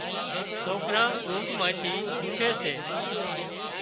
سوڪران اونگھ مانئين ٿي اوٺي سي